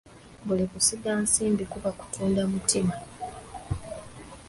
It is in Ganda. Buli kusiga nsimbi kuba kutunda mutima.